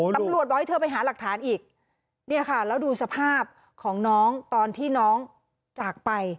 ตำรวจบอกให้เธอไปหาหลักฐานอีกเนี่ยค่ะแล้วดูสภาพของน้องตอนที่น้องจากไป